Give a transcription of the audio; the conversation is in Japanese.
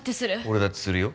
俺だってするよ